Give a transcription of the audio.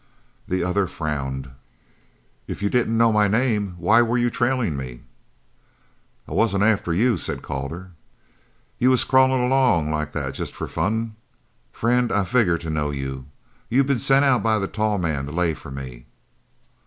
The other frowned. "If you didn't know my name why were you trailin' me?" "I wasn't after you," said Calder. "You was crawlin' along like that jest for fun? Friend, I figger to know you. You been sent out by the tall man to lay for me."